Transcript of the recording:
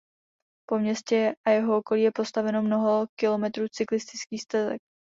Po městě a jeho okolí je postaveno mnoho kilometrů cyklistických stezek.